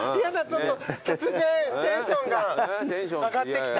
ちょっと突然テンションが上がってきた。